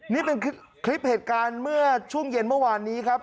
นี่เป็นคลิปเหตุการณ์เมื่อช่วงเย็นเมื่อวานนี้ครับ